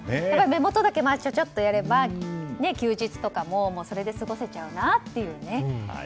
目元だけちゃちゃっとやれば休日とかも、それで過ごせちゃうなって。